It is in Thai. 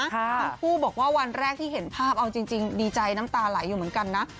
ทั้งคู่บอกว่าวันแรกที่เห็นภาพเอาจริงดีใจน้ำตาไหลอยู่เหมือนกันนะ